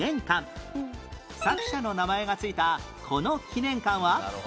作者の名前が付いたこの記念館は？